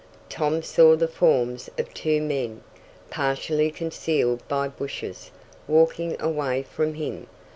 Tom saw the forms of two men, partially concealed by bushes, walking away from him.